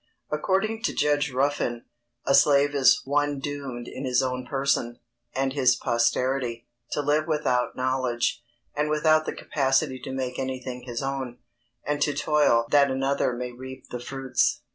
] According to Judge Ruffin, a slave is "one doomed in his own person, and his posterity, to live without knowledge, and without the capacity to make anything his own, and to toil that another may reap the fruits."